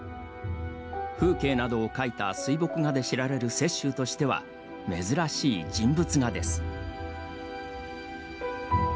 風景などを描いた水墨画で知られる雪舟としては珍しい人物画です。